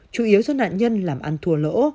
chủ yếu do nạn nhân làm ăn thua lỗ